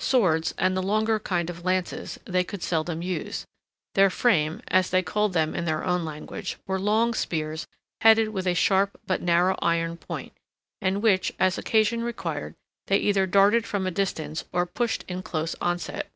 Swords, and the longer kind of lances, they could seldom use. Their frameæ (as they called them in their own language) were long spears headed with a sharp but narrow iron point, and which, as occasion required, they either darted from a distance, or pushed in close onset.